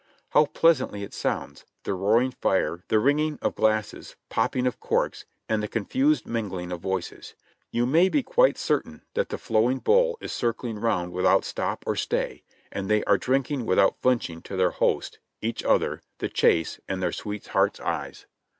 How pleasantly it sounds, the roaring fire, the ringing of glasses, popping of corks, and the confused mingling of voices. You may be quite certain that the flowing bowl is circling round without stop or stay, and they are drinking without flinching to their host, each other, the chase and their sweetheart's eyes.